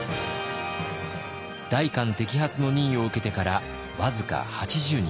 代官摘発の任を受けてから僅か８０日。